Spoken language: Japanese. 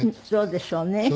そうでしょうね。